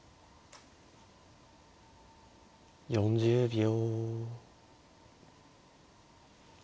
４０秒。